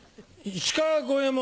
石川五右衛門